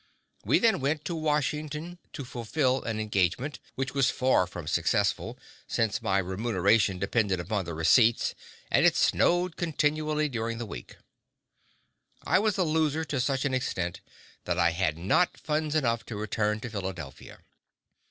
We then went to Washington to fulfil an engagement which was far from successful, since my remuneration depended upon the receipts, and it snowed continually during the week. I was a loser to such an extent that I had not funds enough to return to Philadelphia.